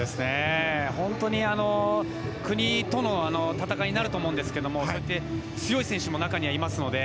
本当に、国との戦いになると思うんですけれども強い選手も中にはいますので。